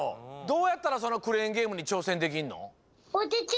どうやったらそのクレーンゲームにちょうせんできんの？